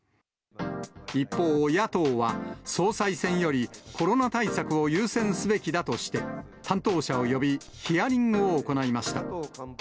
一方、野党は総裁選よりコロナ対策を優先すべきだとして、担当者を呼び、ヒアリングを行いました。